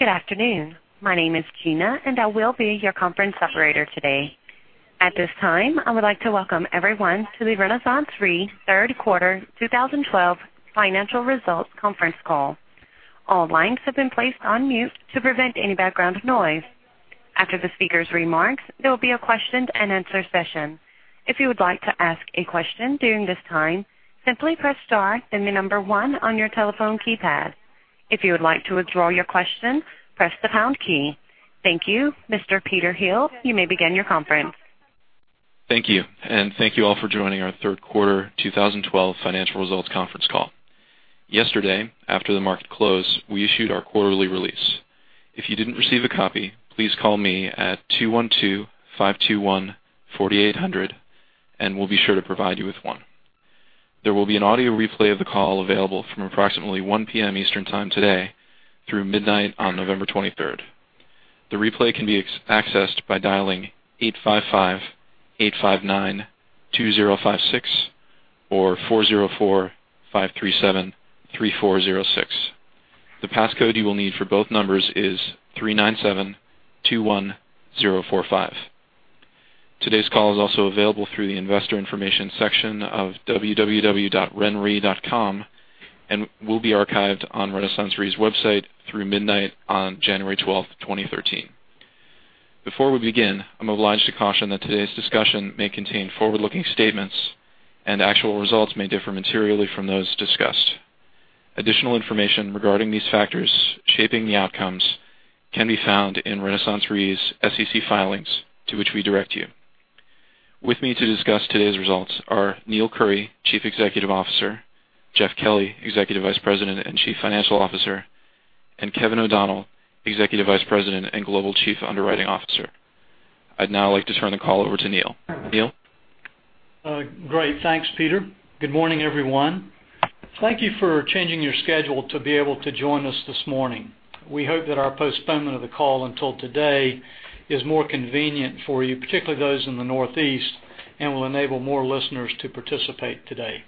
Good afternoon. My name is Gina, and I will be your conference operator today. At this time, I would like to welcome everyone to the RenaissanceRe Third Quarter 2012 Financial Results Conference Call. All lines have been placed on mute to prevent any background noise. After the speaker's remarks, there will be a question and answer session. If you would like to ask a question during this time, simply press star, then the number one on your telephone keypad. If you would like to withdraw your question, press the pound key. Thank you. Mr. Peter Hill, you may begin your conference. Thank you. Thank you all for joining our Third Quarter 2012 Financial Results Conference Call. Yesterday, after the market closed, we issued our quarterly release. If you didn't receive a copy, please call me at 212-521-4800 and we'll be sure to provide you with one. There will be an audio replay of the call available from approximately 1:00 P.M. Eastern time today through midnight on November 23rd. The replay can be accessed by dialing 855-859-2056 or 404-537-3406. The passcode you will need for both numbers is 39721045. Today's call is also available through the investor information section of www.renre.com and will be archived on RenaissanceRe's website through midnight on January 12th, 2013. Before we begin, I'm obliged to caution that today's discussion may contain forward-looking statements and actual results may differ materially from those discussed. Additional information regarding these factors shaping the outcomes can be found in RenaissanceRe's SEC filings to which we direct you. With me to discuss today's results are Neill Currie, Chief Executive Officer, Jeffrey Kelly, Executive Vice President and Chief Financial Officer, and Kevin O'Donnell, Executive Vice President and Global Chief Underwriting Officer. I'd now like to turn the call over to Neill. Neill? Great. Thanks, Peter. Good morning, everyone. Thank you for changing your schedule to be able to join us this morning. We hope that our postponement of the call until today is more convenient for you, particularly those in the Northeast, and will enable more listeners to participate today.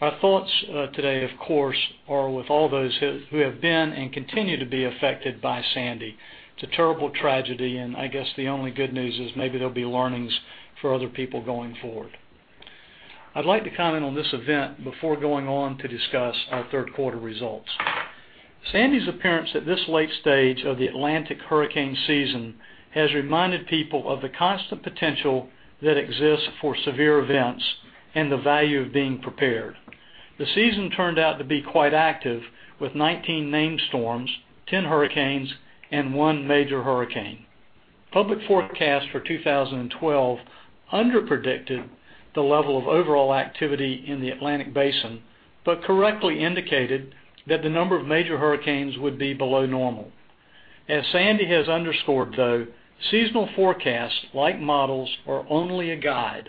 Our thoughts today, of course, are with all those who have been and continue to be affected by Sandy. It's a terrible tragedy. I guess the only good news is maybe there'll be learnings for other people going forward. I'd like to comment on this event before going on to discuss our third quarter results. Sandy's appearance at this late stage of the Atlantic hurricane season has reminded people of the constant potential that exists for severe events and the value of being prepared. The season turned out to be quite active, with 19 named storms, 10 hurricanes, and one major hurricane. Public forecasts for 2012 underpredicted the level of overall activity in the Atlantic Basin but correctly indicated that the number of major hurricanes would be below normal. As Sandy has underscored, though, seasonal forecasts, like models, are only a guide.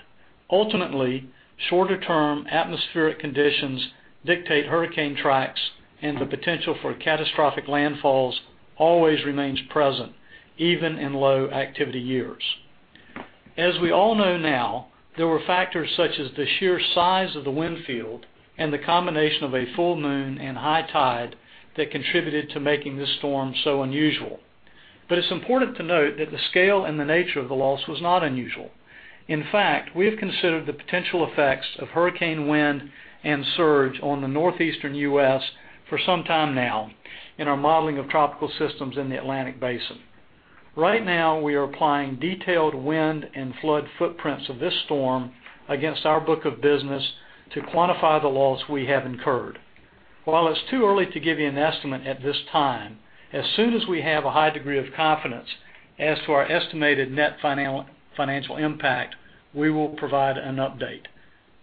Ultimately, shorter-term atmospheric conditions dictate hurricane tracks, and the potential for catastrophic landfalls always remains present, even in low-activity years. As we all know now, there were factors such as the sheer size of the wind field and the combination of a full moon and high tide that contributed to making this storm so unusual. It's important to note that the scale and the nature of the loss was not unusual. We have considered the potential effects of hurricane wind and surge on the northeastern U.S. for some time now in our modeling of tropical systems in the Atlantic Basin. Right now, we are applying detailed wind and flood footprints of this storm against our book of business to quantify the loss we have incurred. It's too early to give you an estimate at this time, as soon as we have a high degree of confidence as to our estimated net financial impact, we will provide an update.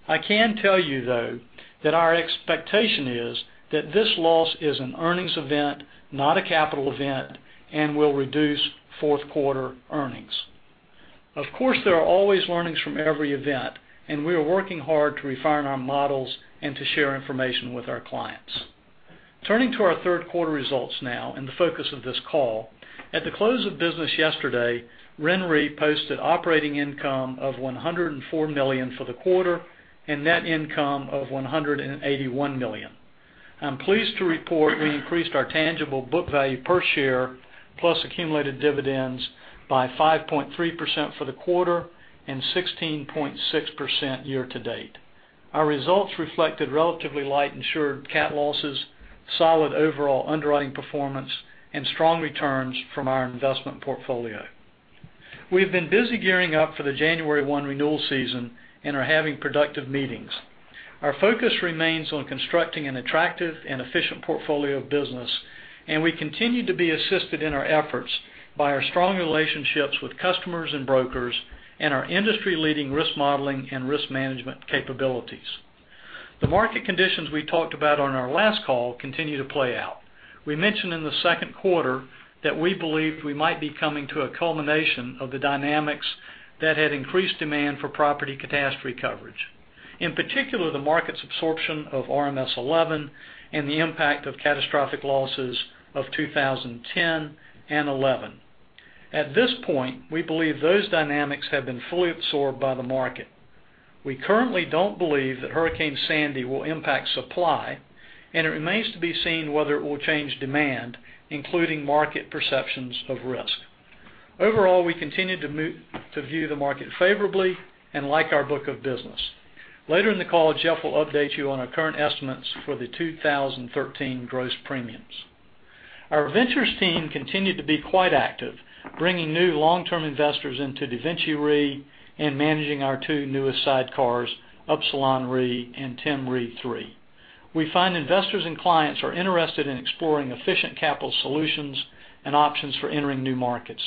I can tell you, though, that our expectation is that this loss is an earnings event, not a capital event, and will reduce fourth quarter earnings. There are always learnings from every event, and we are working hard to refine our models and to share information with our clients. Turning to our third quarter results now and the focus of this call, at the close of business yesterday, RenRe posted operating income of $104 million for the quarter and net income of $181 million. I'm pleased to report we increased our tangible book value per share plus accumulated dividends by 5.3% for the quarter and 16.6% year to date. Our results reflected relatively light insured cat losses, solid overall underwriting performance, and strong returns from our investment portfolio. We've been busy gearing up for the January 1 renewal season and are having productive meetings. Our focus remains on constructing an attractive and efficient portfolio of business, and we continue to be assisted in our efforts by our strong relationships with customers and brokers and our industry-leading risk modeling and risk management capabilities. Market conditions we talked about on our last call continue to play out. We mentioned in the second quarter that we believed we might be coming to a culmination of the dynamics that had increased demand for property catastrophe coverage, in particular, the market's absorption of RMS 11 and the impact of catastrophic losses of 2010 and 2011. At this point, we believe those dynamics have been fully absorbed by the market. We currently don't believe that Hurricane Sandy will impact supply, and it remains to be seen whether it will change demand, including market perceptions of risk. We continue to view the market favorably and like our book of business. Later in the call, Jeff will update you on our current estimates for the 2013 gross premiums. Our ventures team continued to be quite active, bringing new long-term investors into DaVinci Re and managing our two newest sidecars, Upsilon Re and Tim Re III. We find investors and clients are interested in exploring efficient capital solutions and options for entering new markets.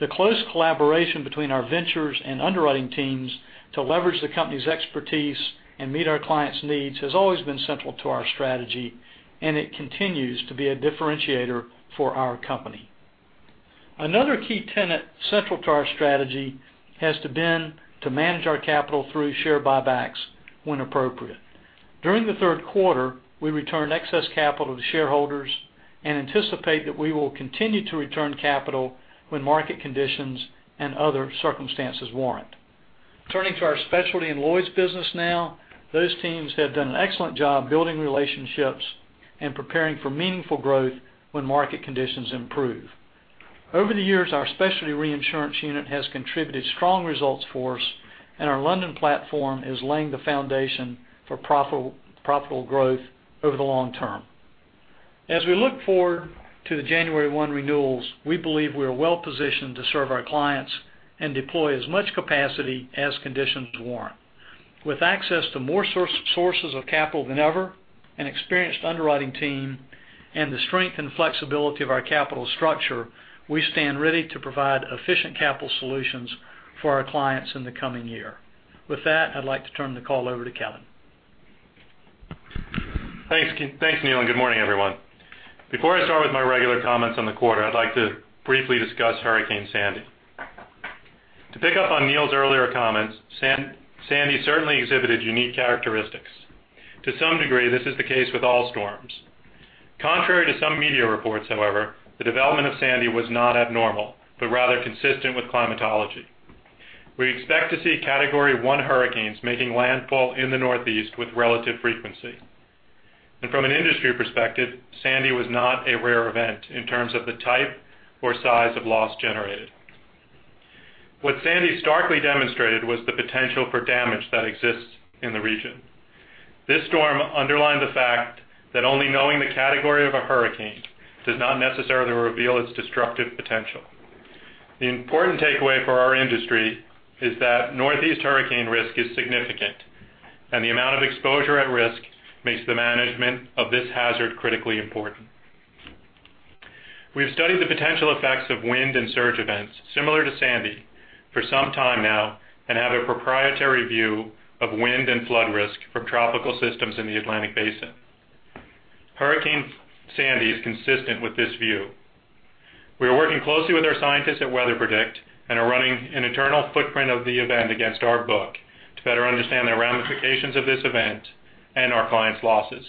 The close collaboration between our ventures and underwriting teams to leverage the company's expertise and meet our clients' needs has always been central to our strategy, and it continues to be a differentiator for our company. Another key tenet central to our strategy has been to manage our capital through share buybacks when appropriate. During the third quarter, we returned excess capital to shareholders and anticipate that we will continue to return capital when market conditions and other circumstances warrant. Turning to our specialty in Lloyd's business now. Those teams have done an excellent job building relationships and preparing for meaningful growth when market conditions improve. Over the years, our specialty reinsurance unit has contributed strong results for us, and our London platform is laying the foundation for profitable growth over the long term. As we look forward to the January 1 renewals, we believe we are well-positioned to serve our clients and deploy as much capacity as conditions warrant. With access to more sources of capital than ever, an experienced underwriting team, and the strength and flexibility of our capital structure, we stand ready to provide efficient capital solutions for our clients in the coming year. With that, I'd like to turn the call over to Kevin. Thanks, Neill, and good morning, everyone. Before I start with my regular comments on the quarter, I'd like to briefly discuss Hurricane Sandy. To pick up on Neill's earlier comments, Sandy certainly exhibited unique characteristics. To some degree, this is the case with all storms. Contrary to some media reports, however, the development of Sandy was not abnormal, but rather consistent with climatology. We expect to see Category 1 hurricanes making landfall in the Northeast with relative frequency. From an industry perspective, Sandy was not a rare event in terms of the type or size of loss generated. What Sandy starkly demonstrated was the potential for damage that exists in the region. This storm underlined the fact that only knowing the category of a hurricane does not necessarily reveal its destructive potential. The important takeaway for our industry is that Northeast hurricane risk is significant, and the amount of exposure at risk makes the management of this hazard critically important. We have studied the potential effects of wind and surge events similar to Sandy for some time now and have a proprietary view of wind and flood risk from tropical systems in the Atlantic Basin. Hurricane Sandy is consistent with this view. We are working closely with our scientists at WeatherPredict and are running an internal footprint of the event against our book to better understand the ramifications of this event and our clients' losses.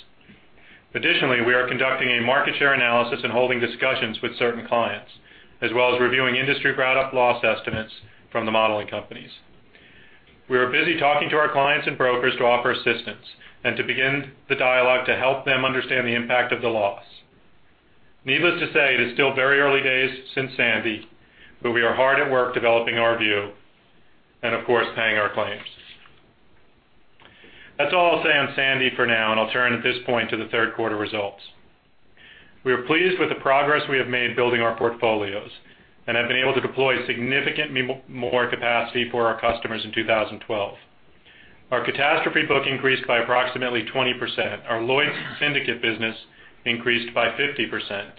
Additionally, we are conducting a market share analysis and holding discussions with certain clients, as well as reviewing industry ground-up loss estimates from the modeling companies. We are busy talking to our clients and brokers to offer assistance and to begin the dialogue to help them understand the impact of the loss. Needless to say, it is still very early days since Sandy, but we are hard at work developing our view and of course, paying our claims. That's all I'll say on Sandy for now, and I'll turn at this point to the third quarter results. We are pleased with the progress we have made building our portfolios and have been able to deploy significantly more capacity for our customers in 2012. Our catastrophe book increased by approximately 20%, our Lloyd's Syndicate business increased by 50%,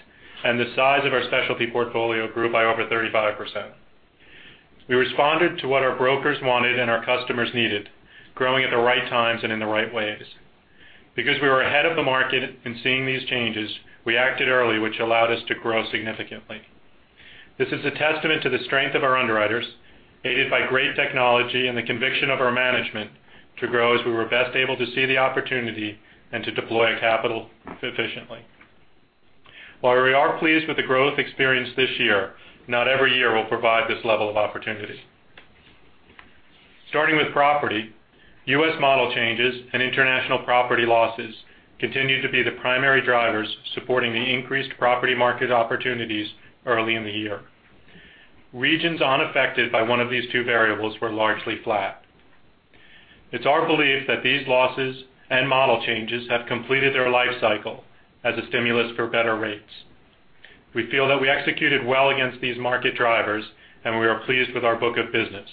and the size of our specialty portfolio grew by over 35%. We responded to what our brokers wanted and our customers needed, growing at the right times and in the right ways. We were ahead of the market in seeing these changes, we acted early, which allowed us to grow significantly. This is a testament to the strength of our underwriters, aided by great technology and the conviction of our management to grow as we were best able to see the opportunity and to deploy capital efficiently. While we are pleased with the growth experienced this year, not every year will provide this level of opportunity. Starting with property, U.S. model changes and international property losses continued to be the primary drivers supporting the increased property market opportunities early in the year. Regions unaffected by one of these two variables were largely flat. It's our belief that these losses and model changes have completed their life cycle as a stimulus for better rates. We feel that we executed well against these market drivers, we are pleased with our book of business.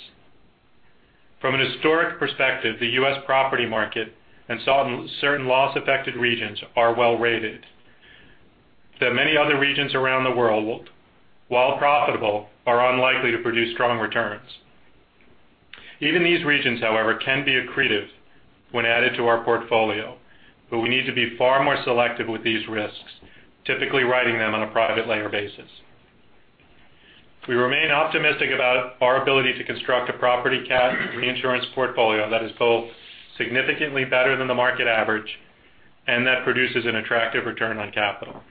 From an historic perspective, the U.S. property market and certain loss-affected regions are well rated. Many other regions around the world, while profitable, are unlikely to produce strong returns. Even these regions, however, can be accretive when added to our portfolio, we need to be far more selective with these risks, typically writing them on a private layer basis. We remain optimistic about our ability to construct a property cat reinsurance portfolio that is both significantly better than the market average and that produces an attractive return on capital.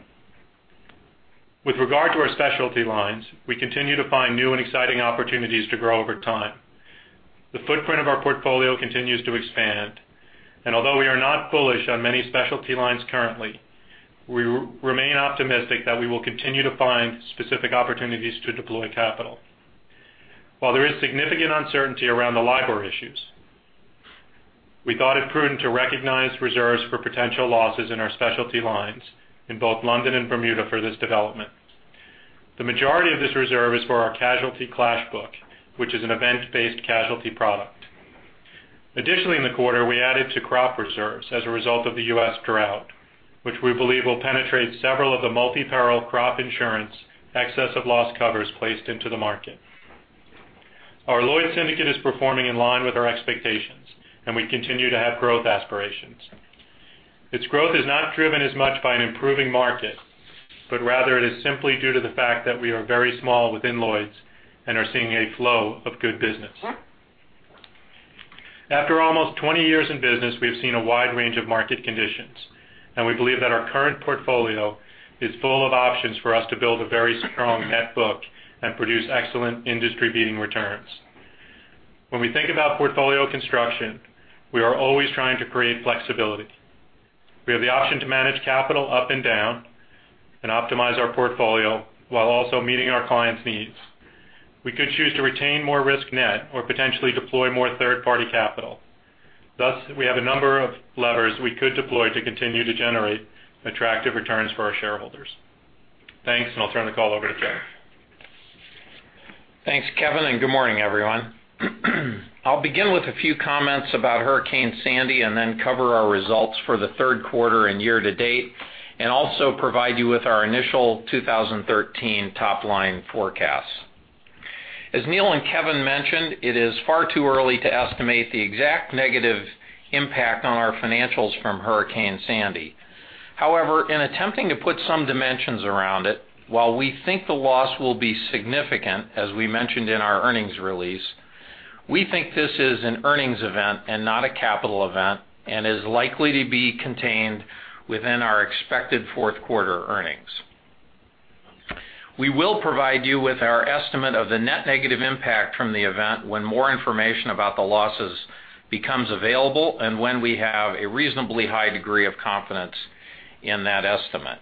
With regard to our specialty lines, we continue to find new and exciting opportunities to grow over time. The footprint of our portfolio continues to expand, although we are not bullish on many specialty lines currently, we remain optimistic that we will continue to find specific opportunities to deploy capital. While there is significant uncertainty around the LIBOR issues, we thought it prudent to recognize reserves for potential losses in our specialty lines in both London and Bermuda for this development. The majority of this reserve is for our casualty clash book, which is an event-based casualty product. Additionally, in the quarter, we added to crop reserves as a result of the U.S. drought, which we believe will penetrate several of the multi-peril crop insurance excess of loss covers placed into the market. Our Lloyd's Syndicate is performing in line with our expectations, we continue to have growth aspirations. Its growth is not driven as much by an improving market, but rather it is simply due to the fact that we are very small within Lloyd's and are seeing a flow of good business. After almost 20 years in business, we have seen a wide range of market conditions, and we believe that our current portfolio is full of options for us to build a very strong net book and produce excellent industry-leading returns. When we think about portfolio construction, we are always trying to create flexibility. We have the option to manage capital up and down and optimize our portfolio while also meeting our clients' needs. We could choose to retain more risk net or potentially deploy more third-party capital. Thus, we have a number of levers we could deploy to continue to generate attractive returns for our shareholders. Thanks, I'll turn the call over to Jeff. Thanks, Kevin, good morning, everyone. I'll begin with a few comments about Hurricane Sandy and then cover our results for the third quarter and year to date, also provide you with our initial 2013 top-line forecast. As Neill and Kevin mentioned, it is far too early to estimate the exact negative impact on our financials from Hurricane Sandy. However, in attempting to put some dimensions around it, while we think the loss will be significant, as we mentioned in our earnings release, we think this is an earnings event and not a capital event, and is likely to be contained within our expected fourth quarter earnings. We will provide you with our estimate of the net negative impact from the event when more information about the losses becomes available and when we have a reasonably high degree of confidence in that estimate.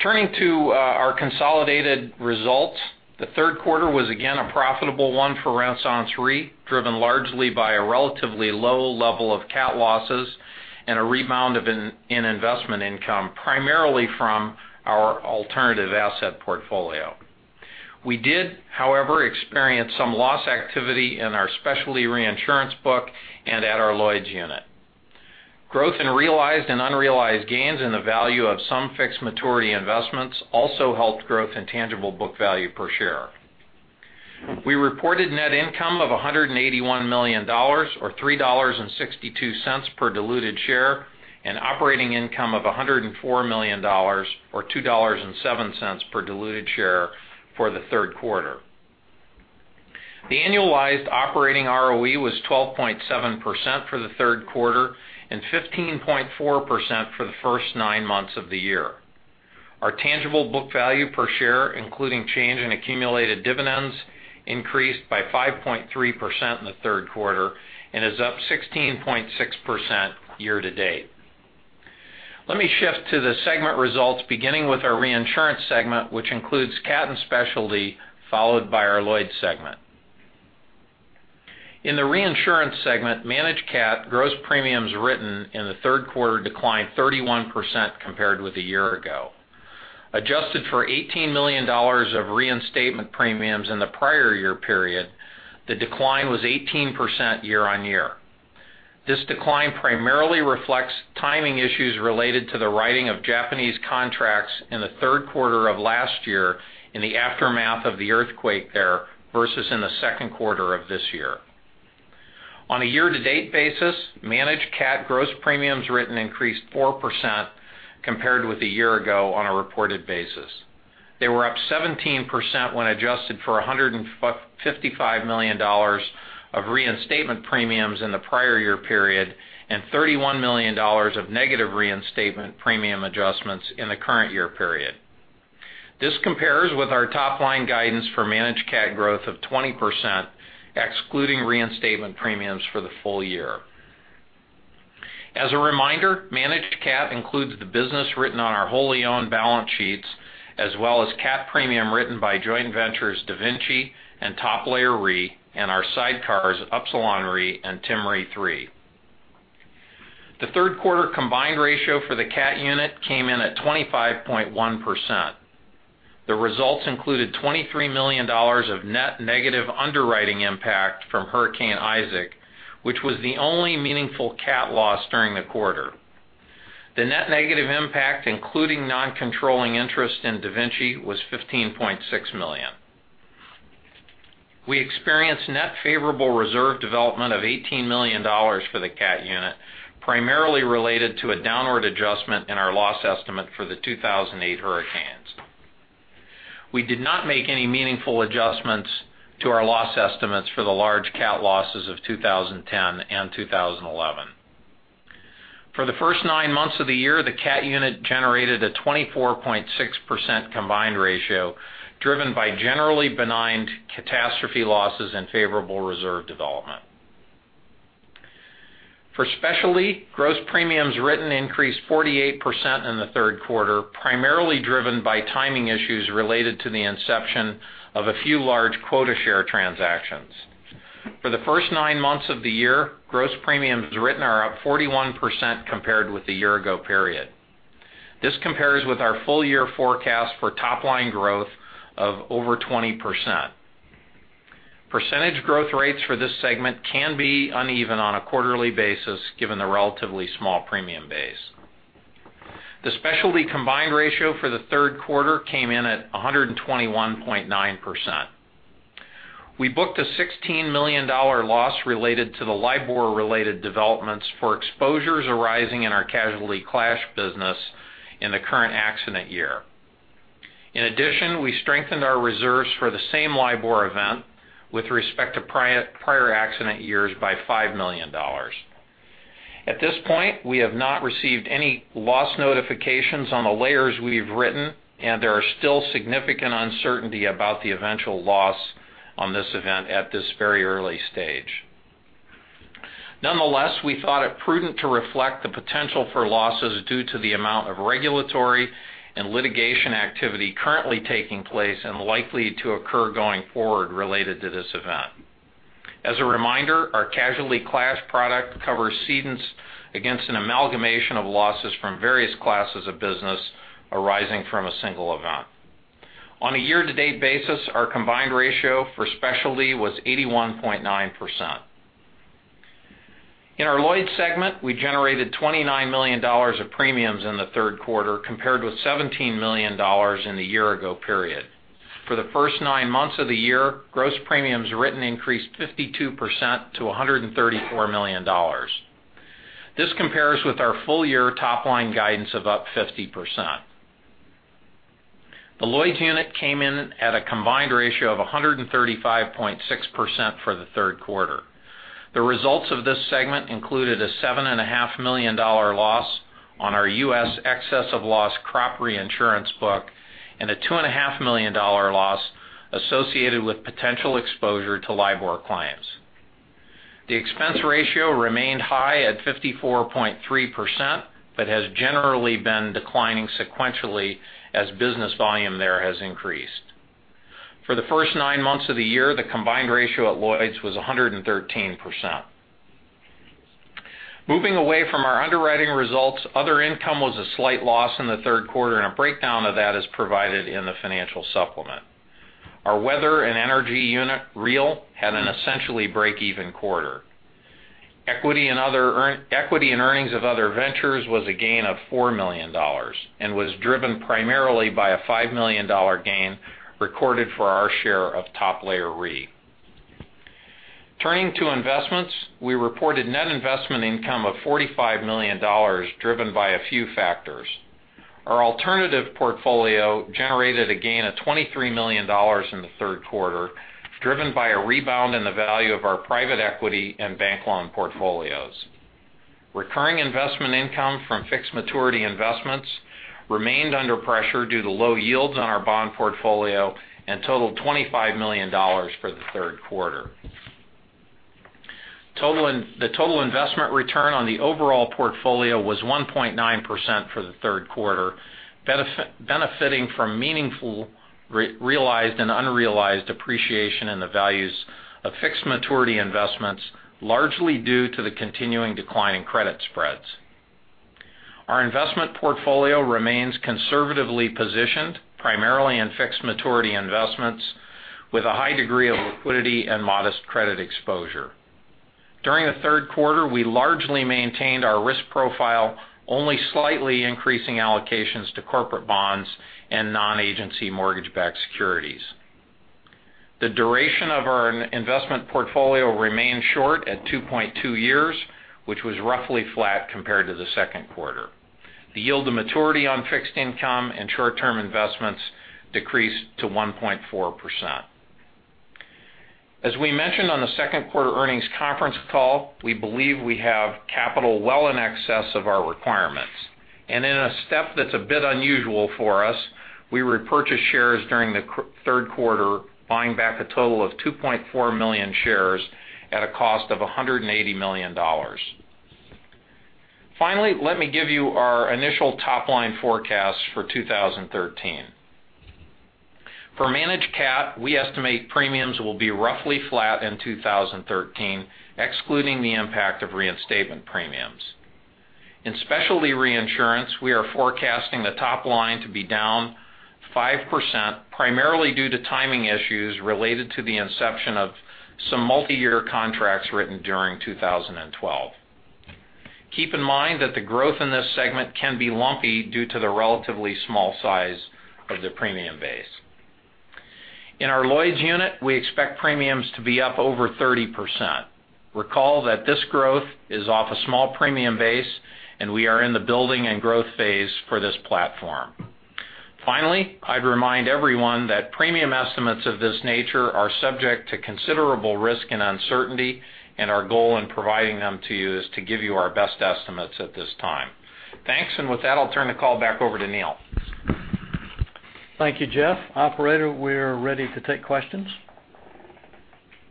Turning to our consolidated results, the third quarter was again a profitable one for RenaissanceRe, driven largely by a relatively low level of cat losses and a rebound in investment income, primarily from our alternative asset portfolio. We did, however, experience some loss activity in our specialty reinsurance book and at our Lloyd's unit. Growth in realized and unrealized gains in the value of some fixed maturity investments also helped growth in tangible book value per share. We reported net income of $181 million, or $3.62 per diluted share, operating income of $104 million, or $2.07 per diluted share for the third quarter. The annualized operating ROE was 12.7% for the third quarter and 15.4% for the first nine months of the year. Our tangible book value per share, including change in accumulated dividends, increased by 5.3% in the third quarter and is up 16.6% year to date. Let me shift to the segment results, beginning with our reinsurance segment, which includes cat and specialty, followed by our Lloyd's segment. In the reinsurance segment, managed cat gross premiums written in the third quarter declined 31% compared with a year ago. Adjusted for $18 million of reinstatement premiums in the prior year period, the decline was 18% year-on-year. This decline primarily reflects timing issues related to the writing of Japanese contracts in the third quarter of last year in the aftermath of the earthquake there, versus in the second quarter of this year. On a year to date basis, managed cat gross premiums written increased 4% compared with a year ago on a reported basis. They were up 17% when adjusted for $155 million of reinstatement premiums in the prior year period and $31 million of negative reinstatement premium adjustments in the current year period. This compares with our top-line guidance for managed cat growth of 20%, excluding reinstatement premiums for the full year. As a reminder, managed cat includes the business written on our wholly owned balance sheets, as well as cat premium written by joint ventures DaVinci and Top Layer Re and our sidecars Upsilon Re and Tim Re III. The third quarter combined ratio for the cat unit came in at 25.1%. The results included $23 million of net negative underwriting impact from Hurricane Isaac, which was the only meaningful cat loss during the quarter. The net negative impact, including non-controlling interest in DaVinci, was $15.6 million. We experienced net favorable reserve development of $18 million for the cat unit, primarily related to a downward adjustment in our loss estimate for the 2008 hurricanes. We did not make any meaningful adjustments to our loss estimates for the large cat losses of 2010 and 2011. For the first nine months of the year, the cat unit generated a 24.6% combined ratio, driven by generally benign catastrophe losses and favorable reserve development. For specialty, gross premiums written increased 48% in the third quarter, primarily driven by timing issues related to the inception of a few large quota share transactions. For the first nine months of the year, gross premiums written are up 41% compared with the year ago period. This compares with our full year forecast for top line growth of over 20%. Percentage growth rates for this segment can be uneven on a quarterly basis, given the relatively small premium base. The specialty combined ratio for the third quarter came in at 121.9%. We booked a $16 million loss related to the LIBOR related developments for exposures arising in our Casualty Clash business in the current accident year. In addition, we strengthened our reserves for the same LIBOR event with respect to prior accident years by $5 million. At this point, we have not received any loss notifications on the layers we've written, and there are still significant uncertainty about the eventual loss on this event at this very early stage. Nonetheless, we thought it prudent to reflect the potential for losses due to the amount of regulatory and litigation activity currently taking place and likely to occur going forward related to this event. As a reminder, our Casualty Clash product covers cedents against an amalgamation of losses from various classes of business arising from a single event. On a year-to-date basis, our combined ratio for specialty was 81.9%. In our Lloyd's segment, we generated $29 million of premiums in the third quarter, compared with $17 million in the year ago period. For the first nine months of the year, gross premiums written increased 52% to $134 million. This compares with our full year top line guidance of up 50%. The Lloyd's unit came in at a combined ratio of 135.6% for the third quarter. The results of this segment included a $7.5 million loss on our U.S. excess of loss crop reinsurance book and a $2.5 million loss associated with potential exposure to LIBOR clients. The expense ratio remained high at 54.3%, but has generally been declining sequentially as business volume there has increased. For the first nine months of the year, the combined ratio at Lloyd's was 113%. Moving away from our underwriting results, other income was a slight loss in the third quarter, and a breakdown of that is provided in the financial supplement. Our weather and energy unit, REAL, had an essentially break even quarter. Equity in earnings of other ventures was a gain of $4 million and was driven primarily by a $5 million gain recorded for our share of Top Layer Re. Turning to investments, we reported net investment income of $45 million, driven by a few factors. Our alternative portfolio generated a gain of $23 million in the third quarter, driven by a rebound in the value of our private equity and bank loan portfolios. Recurring investment income from fixed maturity investments remained under pressure due to low yields on our bond portfolio and totaled $25 million for the third quarter. The total investment return on the overall portfolio was 1.9% for the third quarter, benefiting from meaningful realized and unrealized appreciation in the values of fixed maturity investments, largely due to the continuing decline in credit spreads. Our investment portfolio remains conservatively positioned primarily in fixed maturity investments with a high degree of liquidity and modest credit exposure. During the third quarter, we largely maintained our risk profile, only slightly increasing allocations to corporate bonds and non-agency mortgage backed securities. The duration of our investment portfolio remained short at 2.2 years, which was roughly flat compared to the second quarter. The yield to maturity on fixed income and short term investments decreased to 1.4%. As we mentioned on the second quarter earnings conference call, we believe we have capital well in excess of our requirements. In a step that's a bit unusual for us, we repurchased shares during the third quarter, buying back a total of 2.4 million shares at a cost of $180 million. Finally, let me give you our initial top line forecast for 2013. For Managed Cat, we estimate premiums will be roughly flat in 2013, excluding the impact of reinstatement premiums. In specialty reinsurance, we are forecasting the top line to be down 5%, primarily due to timing issues related to the inception of some multi-year contracts written during 2012. Keep in mind that the growth in this segment can be lumpy due to the relatively small size of the premium base. In our Lloyd's unit, we expect premiums to be up over 30%. Recall that this growth is off a small premium base, and we are in the building and growth phase for this platform. Finally, I'd remind everyone that premium estimates of this nature are subject to considerable risk and uncertainty, and our goal in providing them to you is to give you our best estimates at this time. Thanks. With that, I'll turn the call back over to Neill. Thank you, Jeff. Operator, we're ready to take questions.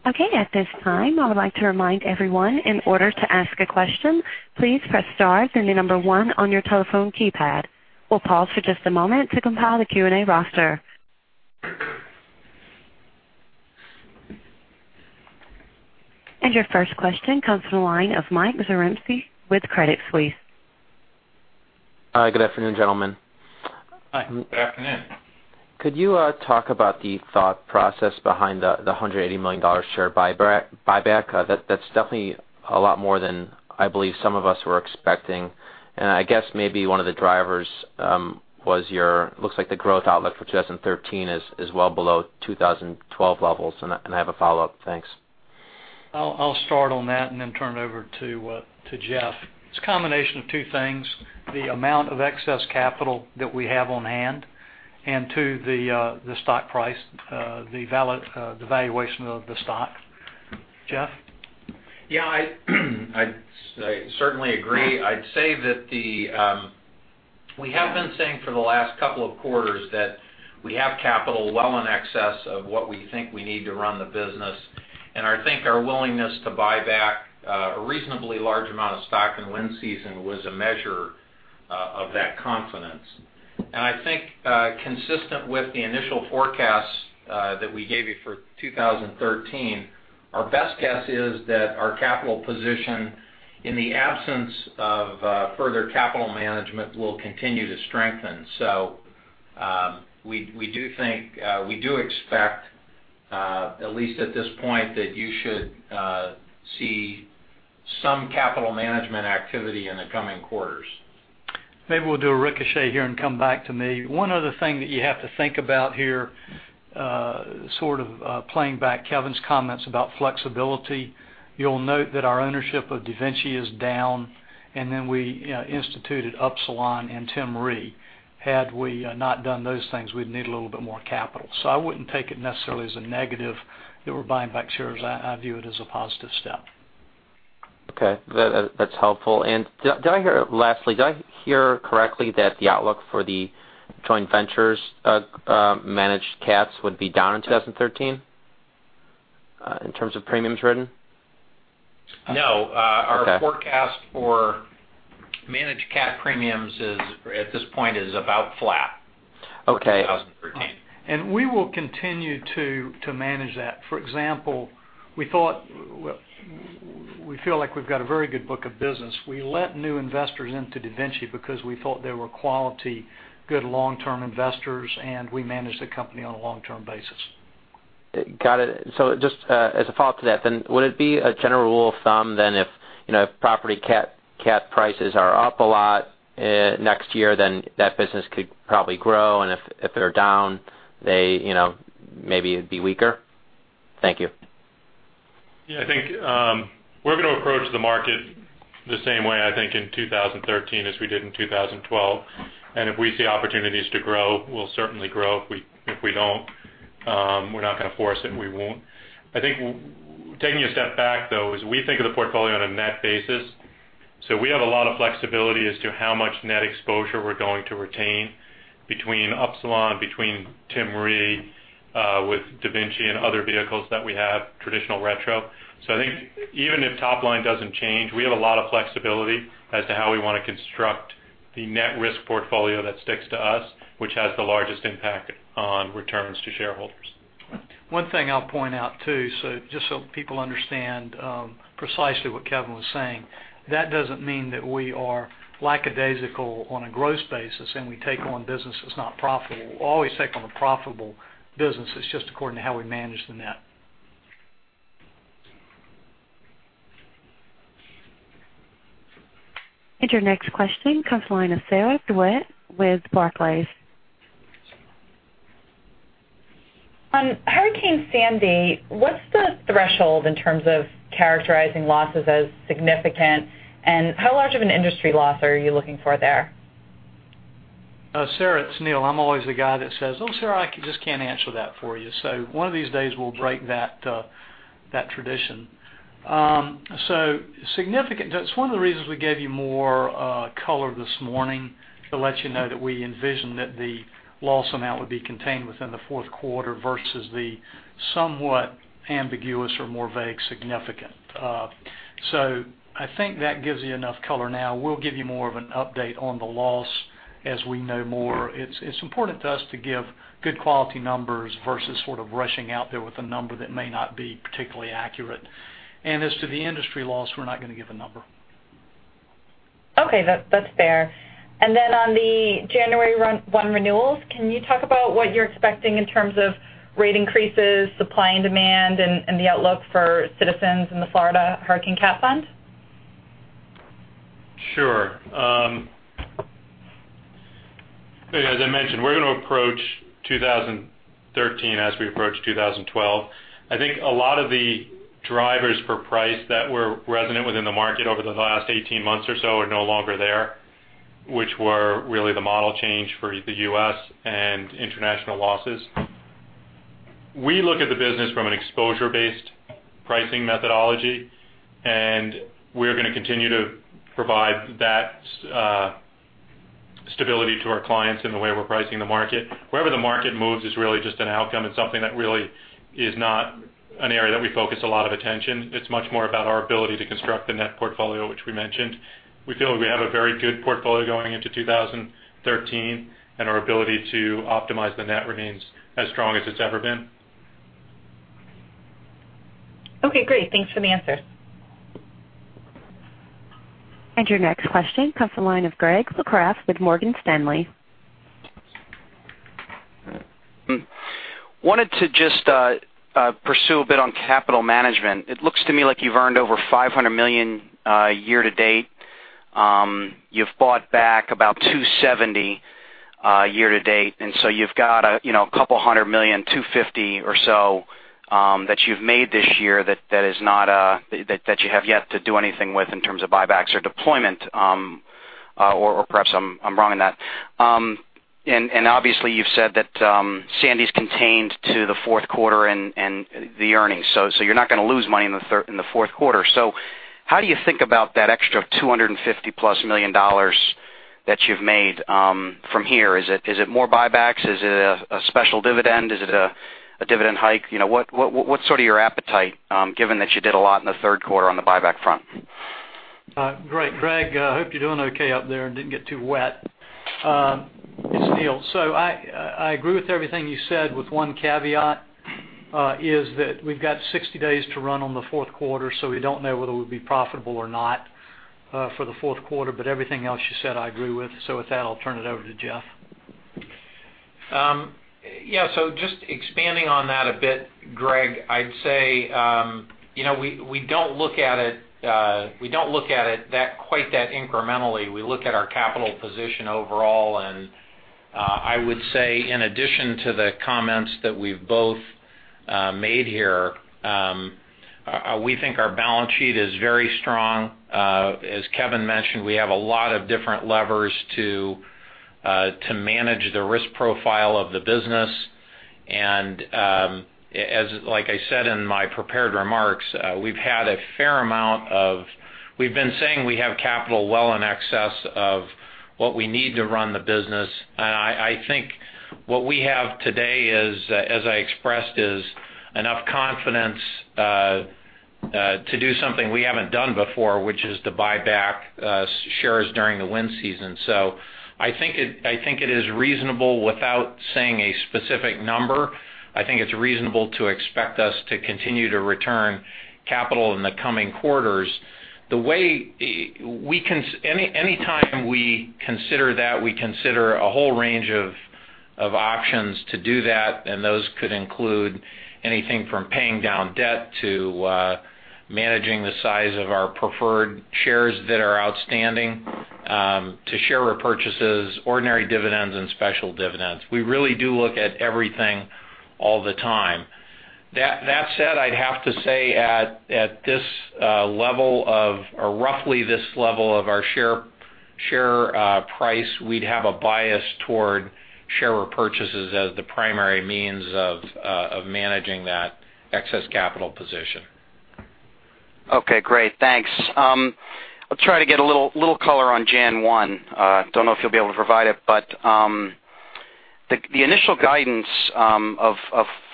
Okay. At this time, I would like to remind everyone, in order to ask a question, please press star, then the number 1 on your telephone keypad. We'll pause for just a moment to compile the Q&A roster. Your first question comes from the line of Michael Zarembski with Credit Suisse. Hi, good afternoon, gentlemen. Hi. Good afternoon. Could you talk about the thought process behind the $180 million share buyback? That's definitely a lot more than I believe some of us were expecting. I guess maybe one of the drivers was looks like the growth outlook for 2013 is well below 2012 levels. I have a follow-up. Thanks. I'll start on that and then turn it over to Jeff. It's a combination of two things, the amount of excess capital that we have on hand, and two, the stock price, the valuation of the stock. Jeff? Yeah. I certainly agree. I'd say that we have been saying for the last couple of quarters that we have capital well in excess of what we think we need to run the business. I think our willingness to buy back a reasonably large amount of stock in wind season was a measure of that confidence. I think, consistent with the initial forecast that we gave you for 2013, our best guess is that our capital position, in the absence of further capital management, will continue to strengthen. We do expect, at least at this point, that you should see some capital management activity in the coming quarters. Maybe we'll do a ricochet here and come back to me. One other thing that you have to think about here, sort of playing back Kevin's comments about flexibility, you'll note that our ownership of DaVinci is down, then we instituted Upsilon and Tim Re. Had we not done those things, we'd need a little bit more capital. I wouldn't take it necessarily as a negative that we're buying back shares. I view it as a positive step. Okay. That's helpful. Lastly, did I hear correctly that the outlook for the joint ventures' managed cats would be down in 2013 in terms of premiums written? No. Okay. Our forecast for managed cat premiums at this point is about flat for 2013. Okay. We will continue to manage that. For example, we feel like we've got a very good book of business. We let new investors into DaVinci because we thought they were quality, good long-term investors, and we managed the company on a long-term basis. Got it. Just as a follow-up to that, then would it be a general rule of thumb then if property cat prices are up a lot next year, then that business could probably grow, and if they're down, maybe it'd be weaker? Thank you. I think we're going to approach the market the same way, I think, in 2013 as we did in 2012. If we see opportunities to grow, we'll certainly grow. If we don't, we're not going to force it, and we won't. I think taking a step back, though, is we think of the portfolio on a net basis. We have a lot of flexibility as to how much net exposure we're going to retain between Upsilon, between Tim Re, with DaVinci and other vehicles that we have, traditional retro. I think even if top line doesn't change, we have a lot of flexibility as to how we want to construct the net risk portfolio that sticks to us, which has the largest impact on returns to shareholders. One thing I'll point out too, just so people understand precisely what Kevin was saying, that doesn't mean that we are lackadaisical on a gross basis and we take on business that's not profitable. We'll always take on the profitable business. It's just according to how we manage the net. Your next question comes the line of Sarah DeWitt with Barclays. On Hurricane Sandy, what's the threshold in terms of characterizing losses as significant, and how large of an industry loss are you looking for there? Sarah, it's Neill. I'm always the guy that says, "Oh, Sarah, I just can't answer that for you." One of these days we'll break that tradition. Significant, that's one of the reasons we gave you more color this morning to let you know that we envision that the loss amount would be contained within the fourth quarter versus the somewhat ambiguous or more vague significant. I think that gives you enough color now. We'll give you more of an update on the loss as we know more. It's important to us to give good quality numbers versus sort of rushing out there with a number that may not be particularly accurate. As to the industry loss, we're not going to give a number. Okay. That's fair. Then on the January 1 renewals, can you talk about what you're expecting in terms of rate increases, supply and demand, and the outlook for Citizens in the Florida Hurricane Cat Fund? Sure. As I mentioned, we're going to approach 2013 as we approached 2012. I think a lot of the drivers for price that were resonant within the market over the last 18 months or so are no longer there, which were really the model change for the U.S. and international losses. We look at the business from an exposure-based pricing methodology, we're going to continue to provide that stability to our clients in the way we're pricing the market. Wherever the market moves is really just an outcome. It's something that really is not an area that we focus a lot of attention. It's much more about our ability to construct the net portfolio, which we mentioned. We feel we have a very good portfolio going into 2013, our ability to optimize the net remains as strong as it's ever been. Okay, great. Thanks for the answer. Your next question comes from the line of Greg Locraft with Morgan Stanley. I wanted to just pursue a bit on capital management. It looks to me like you've earned over $500 million year to date. You've bought back about $270 million year to date, you've got a couple of hundred million, $250 million or so, that you've made this year that you have yet to do anything with in terms of buybacks or deployment, or perhaps I'm wrong on that. Obviously, you've said that Sandy's contained to the fourth quarter and the earnings. You're not going to lose money in the fourth quarter. How do you think about that extra $250-plus million that you've made from here? Is it more buybacks? Is it a special dividend? Is it a dividend hike? What's sort of your appetite, given that you did a lot in the third quarter on the buyback front? Great, Greg, I hope you're doing okay up there and didn't get too wet. It's Neill. I agree with everything you said with one caveat, is that we've got 60 days to run on the fourth quarter, we don't know whether we'll be profitable or not for the fourth quarter. Everything else you said I agree with. With that, I'll turn it over to Jeff. Just expanding on that a bit, Greg, I'd say we don't look at it quite that incrementally. We look at our capital position overall, I would say in addition to the comments that we've both made here, we think our balance sheet is very strong. As Kevin mentioned, we have a lot of different levers to manage the risk profile of the business, like I said in my prepared remarks, we've been saying we have capital well in excess of what we need to run the business. I think what we have today, as I expressed, is enough confidence to do something we haven't done before, which is to buy back shares during the wind season. I think it is reasonable, without saying a specific number, I think it's reasonable to expect us to continue to return capital in the coming quarters. Any time we consider that, we consider a whole range of options to do that, and those could include anything from paying down debt to managing the size of our preferred shares that are outstanding to share repurchases, ordinary dividends, and special dividends. We really do look at everything all the time. That said, I'd have to say at roughly this level of our share price, we'd have a bias toward share repurchases as the primary means of managing that excess capital position. Okay, great. Thanks. I'll try to get a little color on Jan one. Don't know if you'll be able to provide it, but the initial guidance of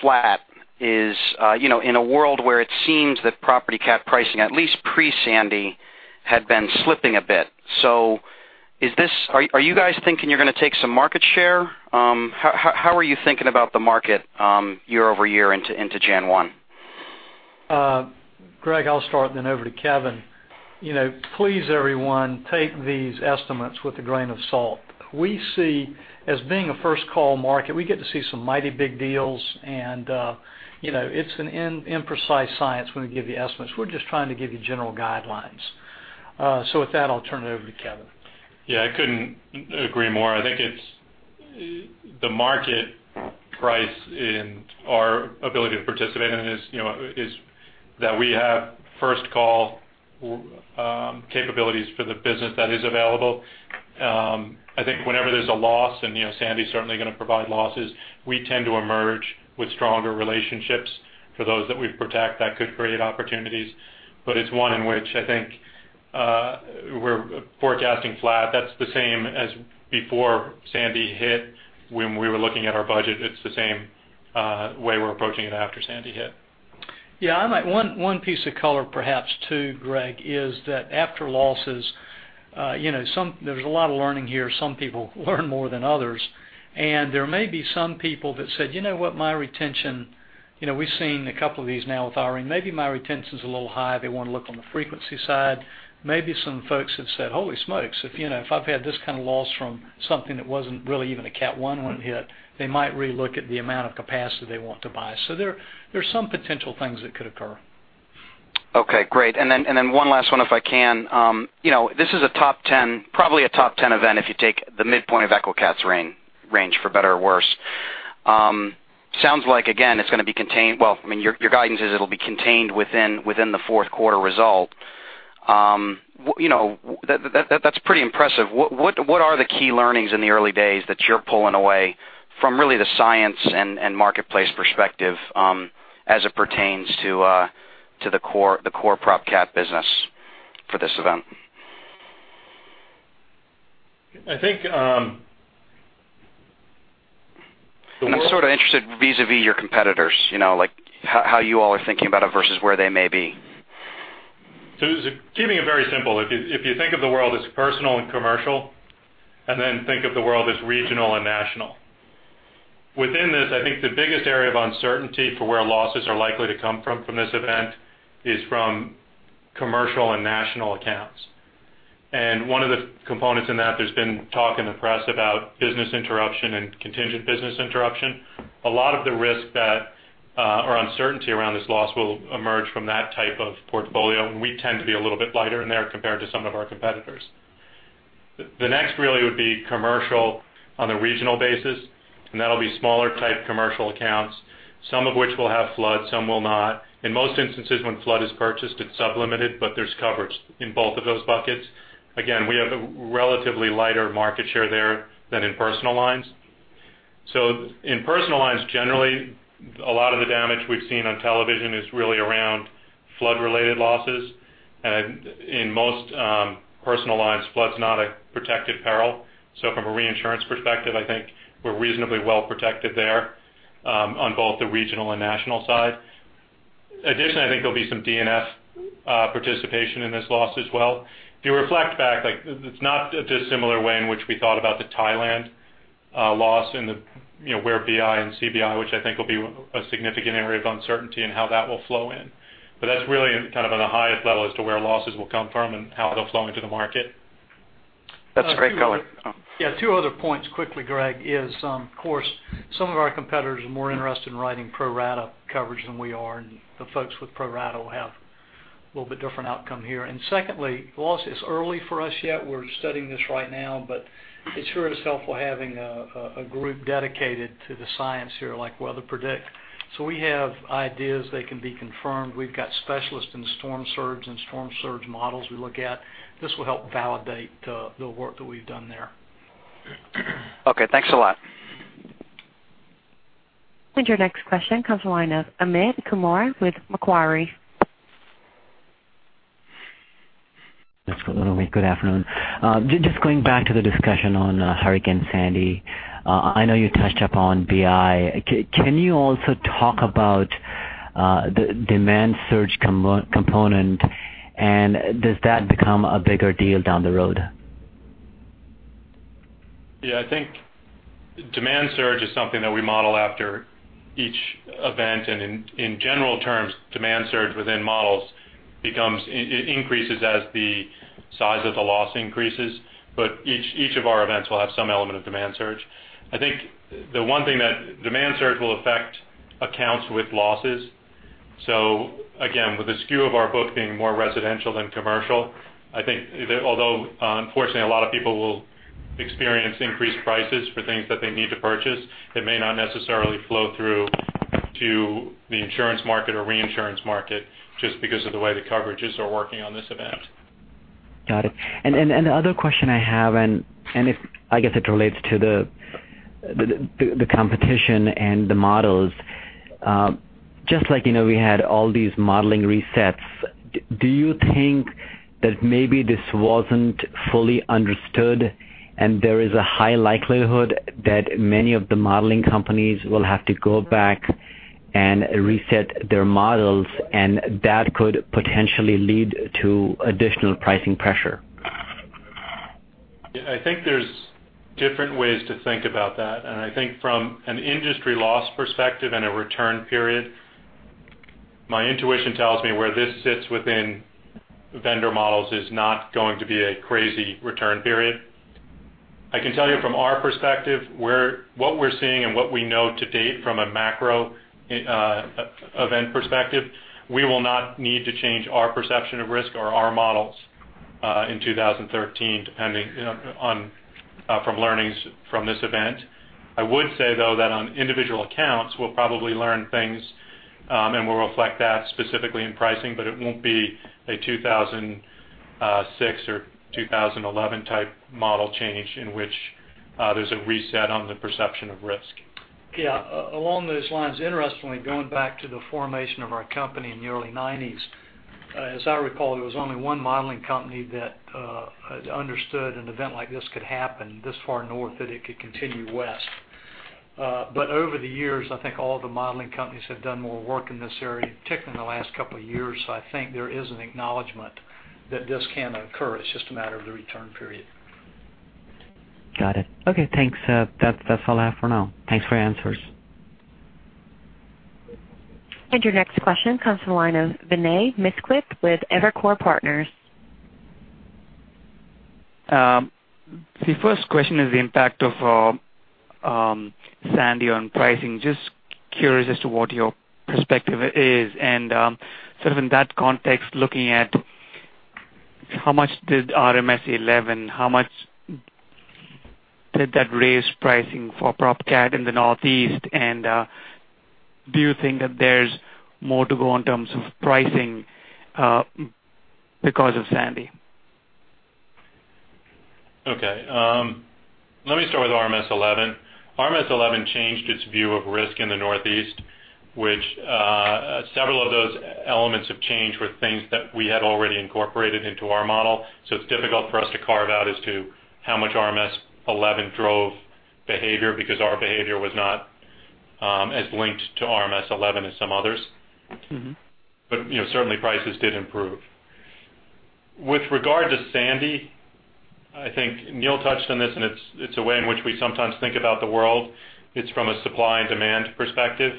flat is in a world where it seems that property cap pricing, at least pre-Sandy, had been slipping a bit. Are you guys thinking you're going to take some market share? How are you thinking about the market year-over-year into Jan one? Greg, I'll start, then over to Kevin. Please, everyone, take these estimates with a grain of salt. As being a first-call market, we get to see some mighty big deals, and it's an imprecise science when we give you estimates. We're just trying to give you general guidelines. With that, I'll turn it over to Kevin. Yeah, I couldn't agree more. I think the market price and our ability to participate in it is that we have first call capabilities for the business that is available. I think whenever there's a loss, and Sandy's certainly going to provide losses, we tend to emerge with stronger relationships for those that we protect. That could create opportunities. It's one in which I think we're forecasting flat. That's the same as before Sandy hit when we were looking at our budget. It's the same way we're approaching it after Sandy hit. Yeah. One piece of color, perhaps, too, Greg, is that after losses, there's a lot of learning here. Some people learn more than others, and there may be some people that said, "You know what? My retention," we've seen a couple of these now with Hurricane Irene, "maybe my retention is a little high." They want to look on the frequency side. Maybe some folks have said, "Holy smokes, if I've had this kind of loss from something that wasn't really even a cat 1 hit," they might re-look at the amount of capacity they want to buy. There are some potential things that could occur. Okay, great. One last one if I can. This is probably a top 10 event if you take the midpoint of EQECAT's range, for better or worse. Sounds like, again, it's going to be contained. Well, your guidance is it'll be contained within the fourth quarter result. That's pretty impressive. What are the key learnings in the early days that you're pulling away from really the science and marketplace perspective as it pertains to the core prop cat business for this event? I think- I'm sort of interested vis-a-vis your competitors, like how you all are thinking about it versus where they may be. Keeping it very simple, if you think of the world as personal and commercial, then think of the world as regional and national. Within this, I think the biggest area of uncertainty for where losses are likely to come from this event is from commercial and national accounts. One of the components in that, there's been talk in the press about business interruption and contingent business interruption. A lot of the risk that, or uncertainty around this loss will emerge from that type of portfolio, and we tend to be a little bit lighter in there compared to some of our competitors. The next really would be commercial on a regional basis, and that'll be smaller type commercial accounts. Some of which will have flood, some will not. In most instances, when flood is purchased, it's sub-limited, but there's coverage in both of those buckets. Again, we have a relatively lighter market share there than in personal lines. In personal lines, generally, a lot of the damage we've seen on television is really around flood-related losses, and in most personal lines, flood's not a protected peril. From a reinsurance perspective, I think we're reasonably well protected there on both the regional and national side. Additionally, I think there'll be some D&F participation in this loss as well. If you reflect back, it's not a dissimilar way in which we thought about the Thailand loss in where BI and CBI, which I think will be a significant area of uncertainty in how that will flow in. That's really kind of at a highest level as to where losses will come from and how they'll flow into the market. That's a great color. Yeah, two other points quickly, Greg, is, of course, some of our competitors are more interested in writing pro rata coverage than we are, the folks with pro rata will have a little bit different outcome here. Secondly, while it's early for us yet, we're studying this right now, but it sure is helpful having a group dedicated to the science here, like WeatherPredict. We have ideas that can be confirmed. We've got specialists in storm surge and storm surge models we look at. This will help validate the work that we've done there. Okay, thanks a lot. Your next question comes from the line of Amit Kumar with Macquarie. Good afternoon. Just going back to the discussion on Hurricane Sandy. I know you touched upon BI. Can you also talk about the demand surge component, and does that become a bigger deal down the road? Yeah, I think demand surge is something that we model after each event. In general terms, demand surge within models increases as the size of the loss increases. Each of our events will have some element of demand surge. I think the one thing that demand surge will affect accounts with losses. Again, with the skew of our book being more residential than commercial, I think although unfortunately a lot of people will experience increased prices for things that they need to purchase, it may not necessarily flow through to the insurance market or reinsurance market just because of the way the coverages are working on this event. Got it. The other question I have, and I guess it relates to the competition and the models. Just like we had all these modeling resets, do you think that maybe this wasn't fully understood and there is a high likelihood that many of the modeling companies will have to go back and reset their models, and that could potentially lead to additional pricing pressure? I think there's different ways to think about that. I think from an industry loss perspective and a return period, my intuition tells me where this sits within vendor models is not going to be a crazy return period. I can tell you from our perspective, what we're seeing and what we know to date from a macro event perspective, we will not need to change our perception of risk or our models in 2013 depending from learnings from this event. I would say, though, that on individual accounts, we'll probably learn things, and we'll reflect that specifically in pricing, but it won't be a 2006 or 2011 type model change in which there's a reset on the perception of risk. Yeah. Along those lines, interestingly, going back to the formation of our company in the early 1990s, as I recall, there was only one modeling company that understood an event like this could happen this far north, that it could continue west. Over the years, I think all the modeling companies have done more work in this area, particularly in the last couple of years. I think there is an acknowledgment that this can occur. It's just a matter of the return period. Got it. Okay, thanks. That's all I have for now. Thanks for your answers. Your next question comes from the line of Vinay Misquith with Evercore Partners. The first question is the impact of Sandy on pricing. Just curious as to what your perspective is and sort of in that context, looking at how much did RMS 11, how much did that raise pricing for prop cat in the Northeast? Do you think that there's more to go in terms of pricing because of Sandy? Okay. Let me start with RMS 11. RMS 11 changed its view of risk in the Northeast, which several of those elements of change were things that we had already incorporated into our model. It's difficult for us to carve out as to how much RMS 11 drove behavior because our behavior was not as linked to RMS 11 as some others. Certainly prices did improve. With regard to Sandy, I think Neill touched on this, and it's a way in which we sometimes think about the world. It's from a supply and demand perspective.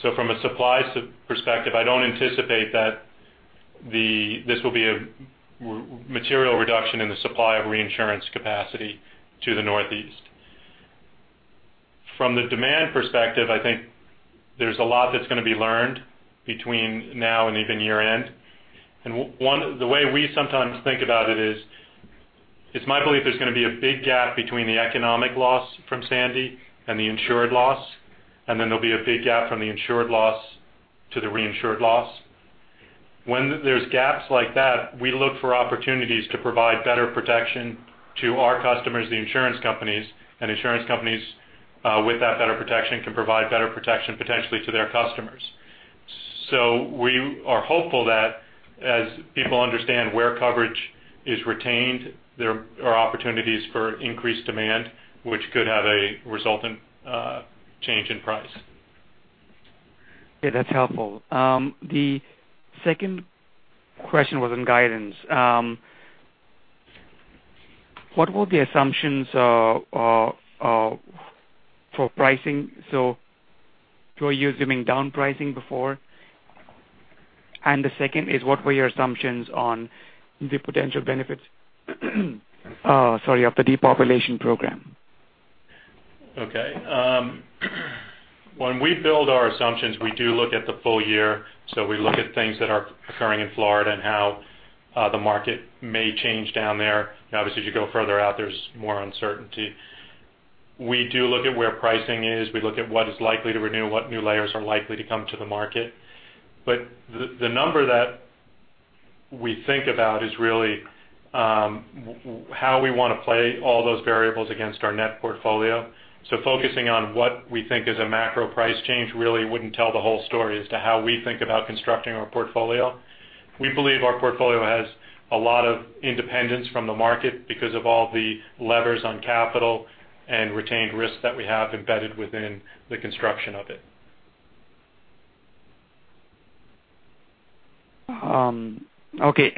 From a supply perspective, I don't anticipate that this will be a material reduction in the supply of reinsurance capacity to the Northeast. From the demand perspective, I think there's a lot that's going to be learned between now and even year-end. The way we sometimes think about it is, it's my belief there's going to be a big gap between the economic loss from Sandy and the insured loss, and then there'll be a big gap from the insured loss to the reinsured loss. When there's gaps like that, we look for opportunities to provide better protection to our customers, the insurance companies, and insurance companies with that better protection can provide better protection potentially to their customers. We are hopeful that as people understand where coverage is retained, there are opportunities for increased demand, which could have a resultant change in price. Okay, that's helpful. The second question was on guidance. What were the assumptions for pricing? Were you assuming down pricing before? The second is, what were your assumptions on the potential benefits of the depopulation program? Okay. When we build our assumptions, we do look at the full year. We look at things that are occurring in Florida and how the market may change down there. Obviously, as you go further out, there's more uncertainty. We do look at where pricing is. We look at what is likely to renew, what new layers are likely to come to the market. The number that we think about is really how we want to play all those variables against our net portfolio. Focusing on what we think is a macro price change really wouldn't tell the whole story as to how we think about constructing our portfolio. We believe our portfolio has a lot of independence from the market because of all the levers on capital and retained risk that we have embedded within the construction of it. Okay.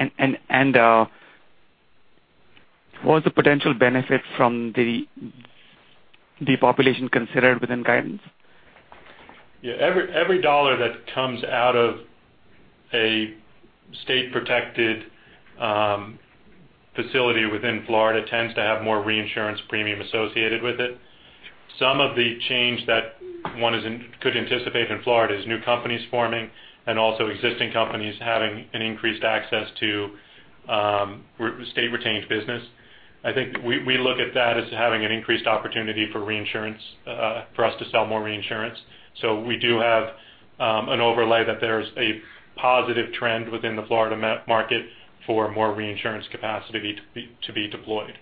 Was the potential benefit from the depopulation considered within guidance? Yeah. Every dollar that comes out of a state-protected facility within Florida tends to have more reinsurance premium associated with it. Some of the change that one could anticipate in Florida is new companies forming and also existing companies having an increased access to state-retained business. I think we look at that as having an increased opportunity for reinsurance, for us to sell more reinsurance. We do have an overlay that there's a positive trend within the Florida market for more reinsurance capacity to be deployed.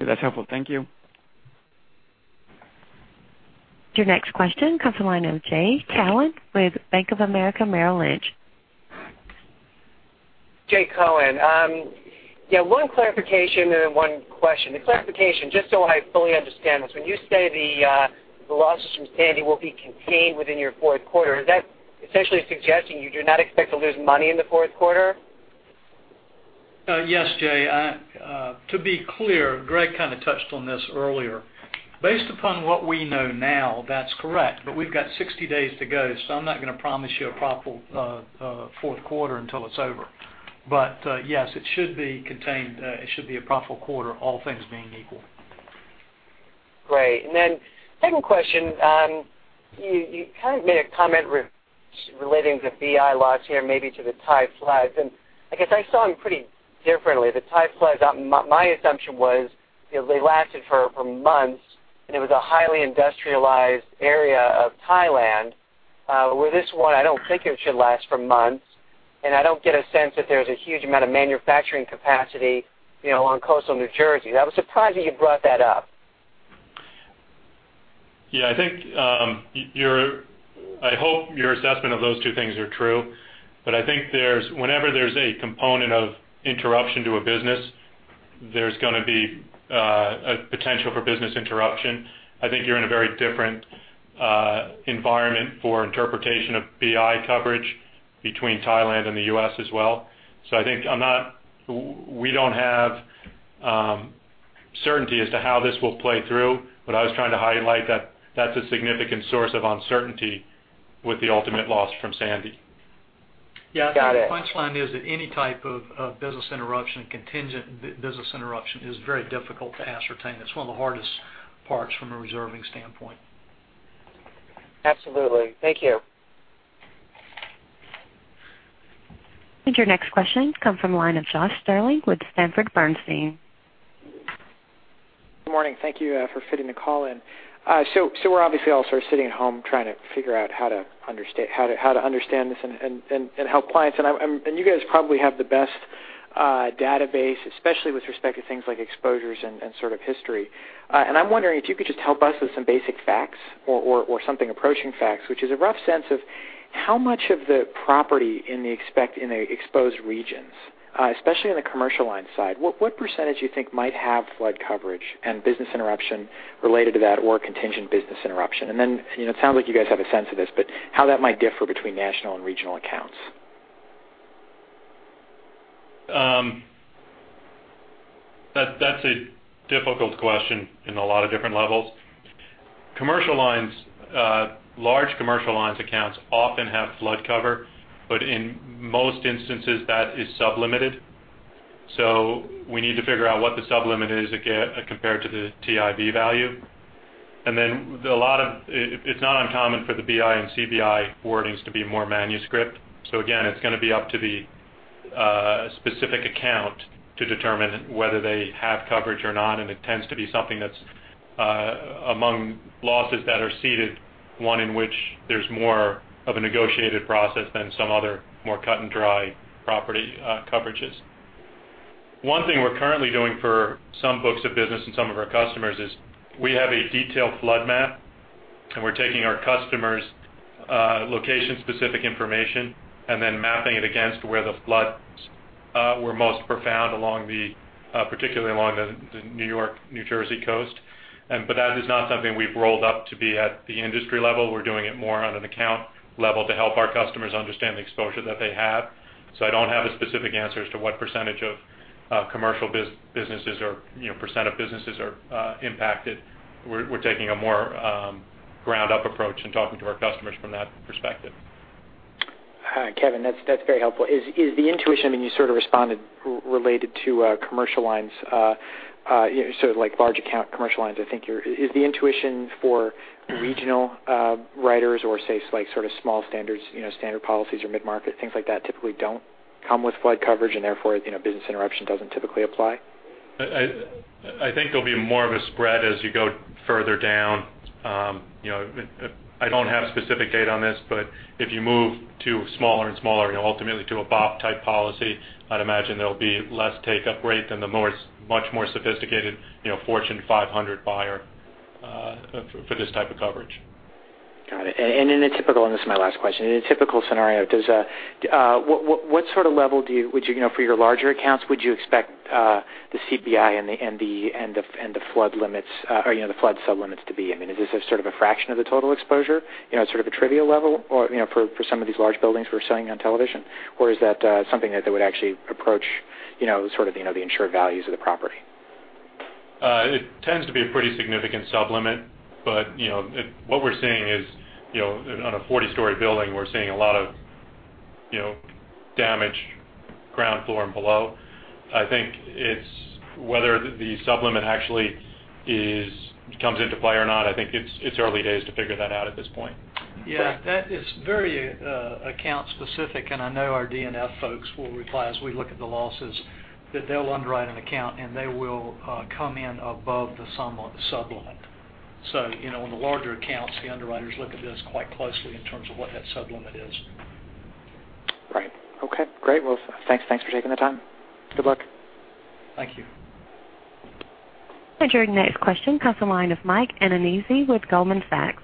That's helpful. Thank you. Your next question comes the line of Jay Cohen with Bank of America Merrill Lynch. Jay Cohen. Yeah, one clarification and then one question. The clarification, just so I fully understand this, when you say the losses from Sandy will be contained within your fourth quarter, is that essentially suggesting you do not expect to lose money in the fourth quarter? Yes, Jay. To be clear, Greg kind of touched on this earlier. Based upon what we know now, that's correct, but we've got 60 days to go, so I'm not going to promise you a profitable fourth quarter until it's over. Yes, it should be contained. It should be a profitable quarter, all things being equal. Great. Second question. You kind of made a comment relating the BI loss here maybe to the Thai floods, and I guess I saw them pretty differently. The Thai floods, my assumption was they lasted for months, and it was a highly industrialized area of Thailand. With this one, I don't think it should last for months, and I don't get a sense that there's a huge amount of manufacturing capacity on coastal New Jersey. I was surprised that you brought that up. Yeah. I hope your assessment of those two things are true, but I think whenever there's a component of interruption to a business, there's going to be a potential for business interruption. I think you're in a very different environment for interpretation of BI coverage between Thailand and the U.S. as well. I think we don't have certainty as to how this will play through, but I was trying to highlight that that's a significant source of uncertainty with the ultimate loss from Sandy. Yeah. Got it. I think the punchline is that any type of business interruption, contingent business interruption, is very difficult to ascertain. It's one of the hardest parts from a reserving standpoint. Absolutely. Thank you. Your next question come from the line of Josh Shanker with Sanford Bernstein. Good morning. Thank you for fitting the call in. We're obviously all sort of sitting at home trying to figure out how to understand this and help clients. You guys probably have the best database, especially with respect to things like exposures and sort of history. I'm wondering if you could just help us with some basic facts or something approaching facts, which is a rough sense of how much of the property in the exposed regions, especially on the commercial line side, what percentage you think might have flood coverage and business interruption related to that, or contingent business interruption? It sounds like you guys have a sense of this, but how that might differ between national and regional accounts. That's a difficult question in a lot of different levels. Large commercial lines accounts often have flood cover, but in most instances that is sub-limited. We need to figure out what the sub-limit is compared to the TIV value. It's not uncommon for the BI and CBI wordings to be more manuscript. Again, it's going to be up to the specific account to determine whether they have coverage or not, and it tends to be something that's among losses that are ceded, one in which there's more of a negotiated process than some other more cut and dry property coverages. One thing we're currently doing for some books of business and some of our customers is we have a detailed flood map, and we're taking our customers' location specific information and then mapping it against where the floods were most profound, particularly along the New York-New Jersey coast. That is not something we've rolled up to be at the industry level. We're doing it more on an account level to help our customers understand the exposure that they have. I don't have a specific answer as to what percentage of commercial businesses or percent of businesses are impacted. We're taking a more ground-up approach and talking to our customers from that perspective. Kevin, that's very helpful. Is the intuition, you sort of responded related to commercial lines, sort of like large account commercial lines, is the intuition for regional riders or say, like sort of small standard policies or mid-market, things like that, typically don't come with flood coverage and therefore, business interruption doesn't typically apply? I think there'll be more of a spread as you go further down. I don't have specific data on this, if you move to smaller and smaller, ultimately to a BOP type policy, I'd imagine there'll be less takeup rate than the much more sophisticated Fortune 500 buyer for this type of coverage. Got it. In a typical, and this is my last question, in a typical scenario, what sort of level for your larger accounts, would you expect the CBI and the flood sub-limits to be? I mean, is this a sort of a fraction of the total exposure, sort of a trivial level for some of these large buildings we're seeing on television? Is that something that they would actually approach the insured values of the property? It tends to be a pretty significant sub-limit. What we're seeing is on a 40-story building, we're seeing a lot of damage ground floor and below. I think it's whether the sub-limit actually comes into play or not. I think it's early days to figure that out at this point. Yeah. That is very account specific, and I know our D&F folks will reply as we look at the losses, that they'll underwrite an account, and they will come in above the sub-limit. On the larger accounts, the underwriters look at this quite closely in terms of what that sub-limit is. Right. Okay, great. Well, thanks for taking the time. Good luck. Thank you. Your next question comes the line of Michael Nannizzi with Goldman Sachs.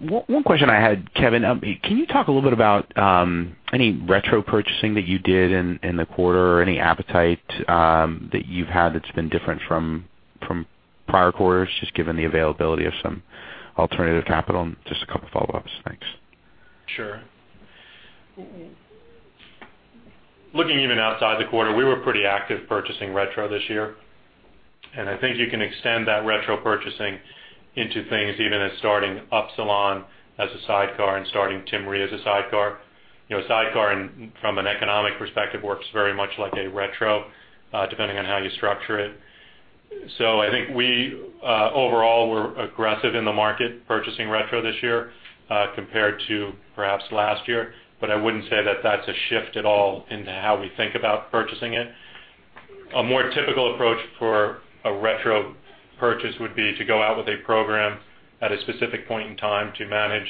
One question I had, Kevin, can you talk a little bit about any retro purchasing that you did in the quarter or any appetite that you've had that's been different from prior quarters, just given the availability of some alternative capital, and just a couple follow-ups. Thanks. Sure. Looking even outside the quarter, we were pretty active purchasing retro this year. I think you can extend that retro purchasing into things even as starting Upsilon as a sidecar and starting Tim Re as a sidecar. A sidecar from an economic perspective, works very much like a retro, depending on how you structure it. I think we overall were aggressive in the market purchasing retro this year compared to perhaps last year. I wouldn't say that that's a shift at all into how we think about purchasing it. A more typical approach for a retro purchase would be to go out with a program at a specific point in time to manage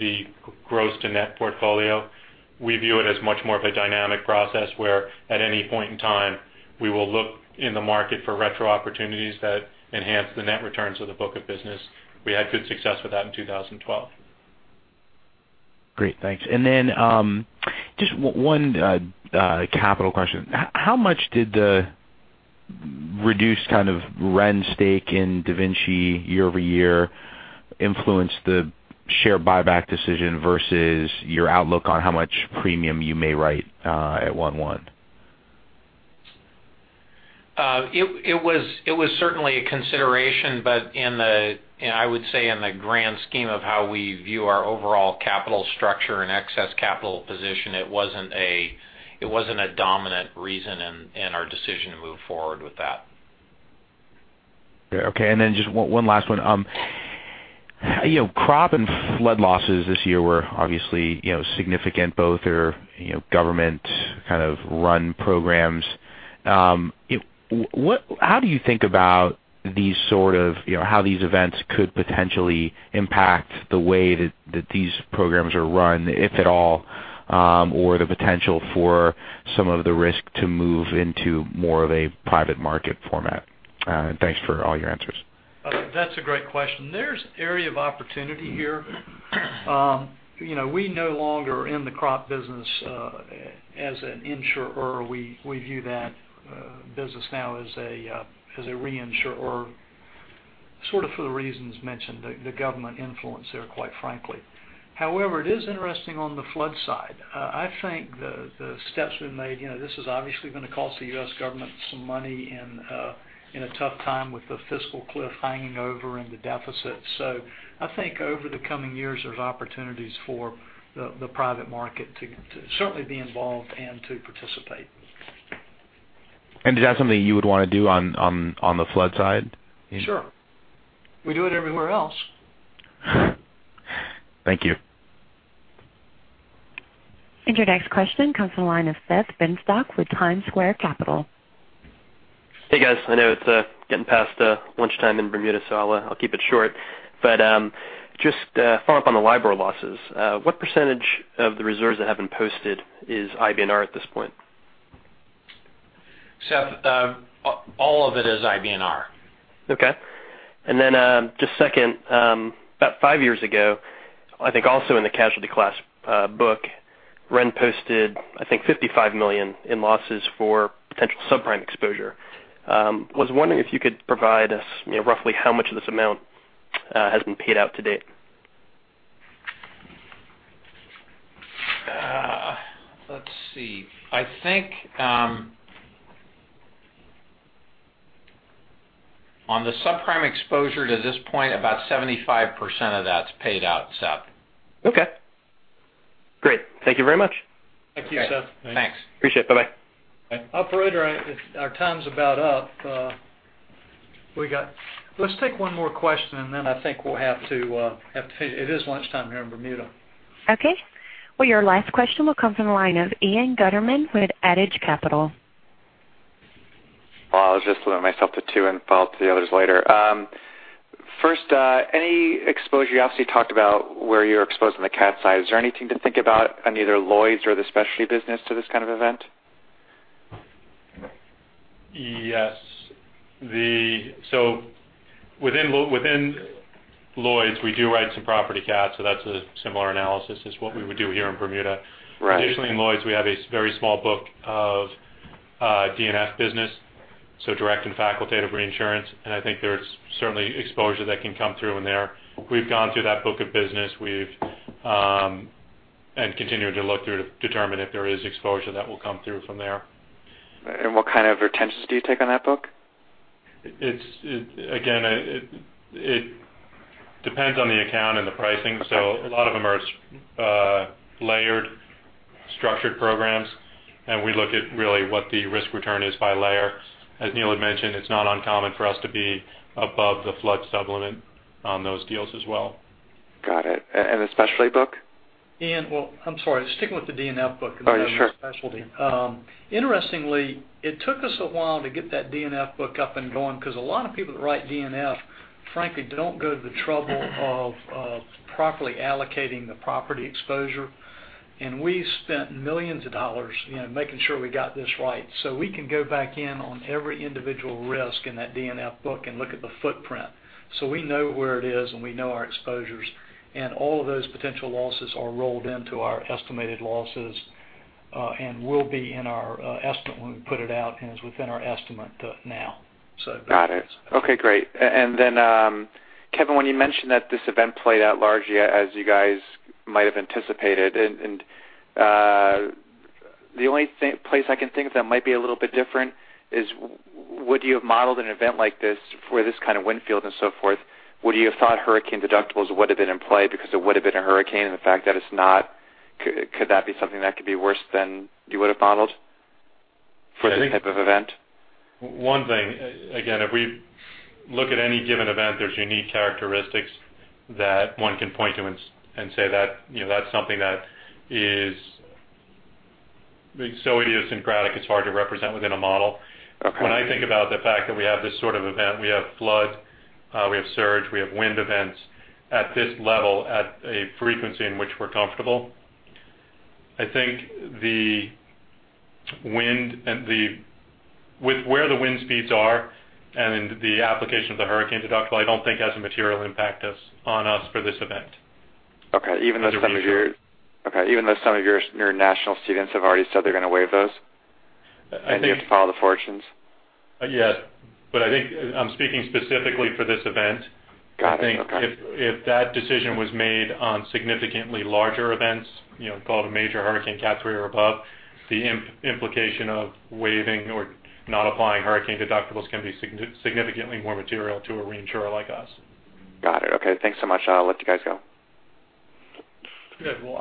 the gross to net portfolio. We view it as much more of a dynamic process, where at any point in time, we will look in the market for retro opportunities that enhance the net returns of the book of business. We had good success with that in 2012. Great, thanks. Just one capital question. How much did the reduced kind of Ren stake in DaVinci year-over-year influence the share buyback decision versus your outlook on how much premium you may write at one-one? It was certainly a consideration, I would say in the grand scheme of how we view our overall capital structure and excess capital position, it wasn't a dominant reason in our decision to move forward with that. Okay. Just one last one. Crop and flood losses this year were obviously significant. Both are government kind of run programs. How do you think about how these events could potentially impact the way that these programs are run, if at all, or the potential for some of the risk to move into more of a private market format? Thanks for all your answers. That's a great question. There's area of opportunity here. We no longer are in the crop business as an insurer. We view that business now as a reinsurer, sort of for the reasons mentioned, the government influence there, quite frankly. However, it is interesting on the flood side. I think the steps we've made, this is obviously going to cost the U.S. government some money in a tough time with the fiscal cliff hanging over and the deficit. I think over the coming years, there's opportunities for the private market to certainly be involved and to participate. Is that something you would want to do on the flood side? Sure. We do it everywhere else. Thank you. Your next question comes from the line of Seth Binstock with TimesSquare Capital. Hey, guys. I know it's getting past lunchtime in Bermuda, so I'll keep it short. Just to follow up on the LIBOR losses, what percentage of the reserves that have been posted is IBNR at this point? Seth, all of it is IBNR. Okay. Then, just second, about five years ago, I think also in the Casualty Clash book, Ren posted, I think, $55 million in losses for potential subprime exposure. I was wondering if you could provide us roughly how much of this amount has been paid out to date. Let's see. I think on the subprime exposure to this point, about 75% of that's paid out, Seth. Okay, great. Thank you very much. Thank you, Seth. Thanks. Appreciate it. Bye-bye. Operator, our time's about up. Let's take one more question, and then I think we'll have to finish. It is lunchtime here in Bermuda. Well, your last question will come from the line of Ian Gutterman with Adage Capital. Well, I'll just limit myself to two and follow up to the others later. Any exposure you obviously talked about where you're exposed on the cat side. Is there anything to think about on either Lloyd's or the specialty business to this kind of event? Within Lloyd's, we do write some property cat, so that's a similar analysis as what we would do here in Bermuda. Right. Additionally, in Lloyd's, we have a very small book of D&F business, so direct and facultative reinsurance. I think there's certainly exposure that can come through in there. We've gone through that book of business. Continuing to look through to determine if there is exposure that will come through from there. What kind of retentions do you take on that book? Again, it depends on the account and the pricing. A lot of them are layered structured programs. We look at really what the risk return is by layer. As Neill had mentioned, it's not uncommon for us to be above the flood sublimit on those deals as well. Got it. The specialty book? Well, I'm sorry. Sticking with the D&F book. Oh, yeah. Sure. Because that was a specialty. Interestingly, it took us a while to get that D&F book up and going because a lot of people that write D&F, frankly, don't go to the trouble of properly allocating the property exposure. We spent millions of dollars making sure we got this right, so we can go back in on every individual risk in that D&F book and look at the footprint. We know where it is, and we know our exposures, and all of those potential losses are rolled into our estimated losses, and will be in our estimate when we put it out, and is within our estimate now. Got it. Okay, great. Kevin, when you mentioned that this event played out larger as you guys might have anticipated, and the only place I can think of that might be a little bit different is would you have modeled an event like this for this kind of wind field and so forth? Would you have thought hurricane deductibles would have been in play because it would've been a hurricane, and the fact that it's not, could that be something that could be worse than you would've modeled for this type of event? One thing, again, if we look at any given event, there's unique characteristics that one can point to and say that's something that is so idiosyncratic it's hard to represent within a model. Okay. When I think about the fact that we have this sort of event, we have flood, we have surge, we have wind events at this level at a frequency in which we're comfortable. I think the wind and with where the wind speeds are and the application of the hurricane deductible, I don't think has a material impact on us for this event. Okay. Some of your national cedents have already said they're going to waive those? I think- You have to follow the fortunes? Yes. I think I'm speaking specifically for this event I think if that decision was made on significantly larger events, call it a major hurricane Cat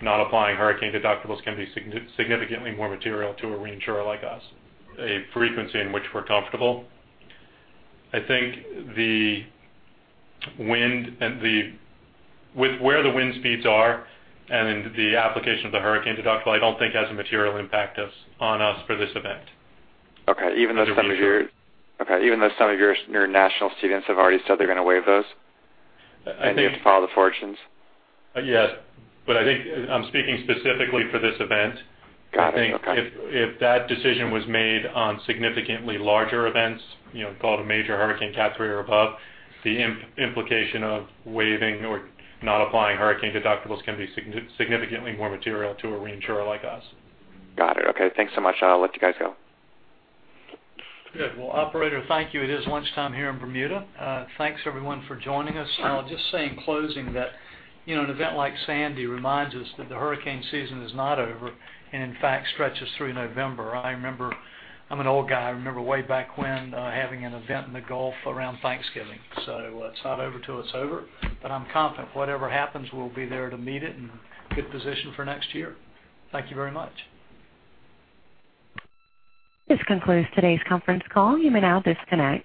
3 or above, the implication of waiving or not applying hurricane deductibles can be significantly more material to a reinsurer like us. Got it. Okay. Thanks so much. I'll let you guys go. Good. Well, operator, thank you. It is lunchtime here in Bermuda. Thanks everyone for joining us. I'll just say in closing that